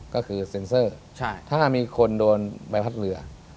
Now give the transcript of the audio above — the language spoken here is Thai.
ก็คือเซ็นเซอร์ถ้ามีคนโดนใบพัดเรือ